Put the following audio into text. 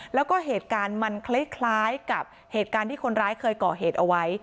แล้วก็เหตุการณ์มันคล้ายกับเหตุการณ์ที่คนร้ายเคยก่อเหตุเอาไว้